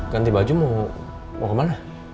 ganti baju mau kemana